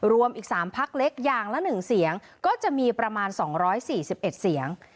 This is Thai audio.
รวมอีก๓พักเล็กอย่างละ๑เสียงก็จะมีประมาณ๒๔๑เสียง